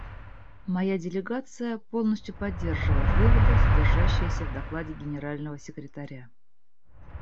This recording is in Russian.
Моя делегация полностью поддерживает выводы, содержащиеся в докладе Генерального секретаря.